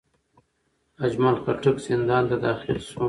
اجمل خټک زندان ته داخل شو.